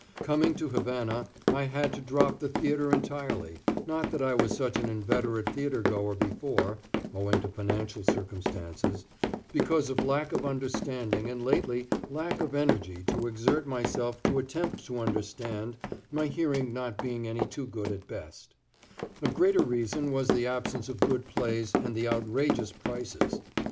Coming to Havana I had to drop the theatre entirely, not that I was such an inveterate theatre goer before (owing to financial circumstances) because of lack of understanding and lately lack of energy to exert myself to attempt to understand, my hearing not being any too good at best; a greater reason was the absence of good plays and the outrageous prices.